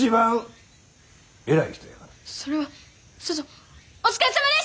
それはさぞお疲れさまです！